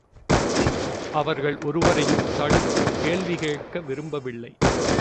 அவர்கள் ஒருவரையும் தடுத்துக் கேள்வி கேட்க விரும்பவில்லை.